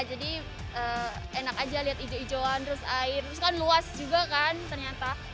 jadi enak aja lihat hijau hijauan terus air terus kan luas juga kan ternyata